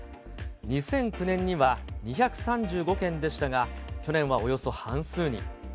２００９年には２３５軒でしたが、去年はおよそ半数に。